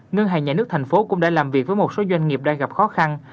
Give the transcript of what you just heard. ngân hàng nhà nước thành phố cũng đã làm việc với một số doanh nghiệp đang gặp khó khăn